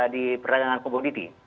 di perdagangan komoditi